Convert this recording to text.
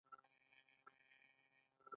د خاوک کوتل پنجشیر او بغلان نښلوي